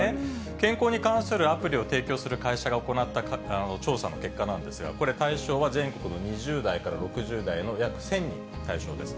健康に関するアプリを提供する会社が行った調査の結果なんですが、これ、対象は全国の２０代から６０代の約１０００人対象です。